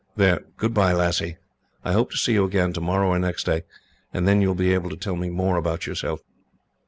"There, goodbye, lassie. I hope to see you again, tomorrow or next day, and then you will be able to tell me more about yourself.